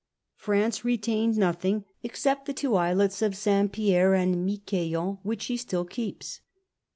France retained nothing except the two islets of St. Pierre and Miquelon, which she still keeps.